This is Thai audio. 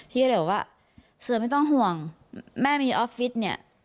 พี่ก็เลยบอกว่าเสือไม่ต้องห่วงแม่มีออฟฟิศเนี่ย